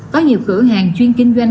có nhiều cửa hàng chuyên kinh doanh